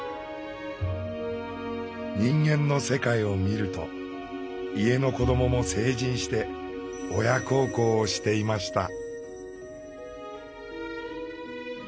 「人間の世界」を見ると家の子どもも成人して親孝行をしていました。